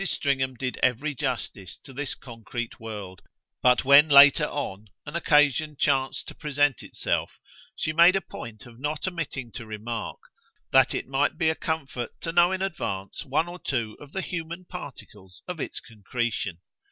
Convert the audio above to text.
Stringham did every justice to this concrete world, but when later on an occasion chanced to present itself she made a point of not omitting to remark that it might be a comfort to know in advance one or two of the human particles of its concretion.